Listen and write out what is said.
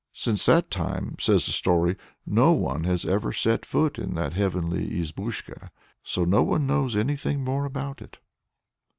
"Since that time," says the story, "no one has ever set foot in that heavenly izbushka so no one knows anything more about it."